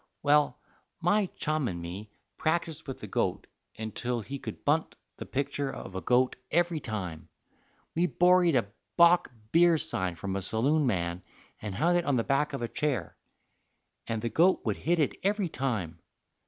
"Well, my chum and me practised with that goat until he could bunt the picture of a goat every time. We borried a bock beer sign from a saloon man and hung it on the back of a chair, and the goat would hit it every time.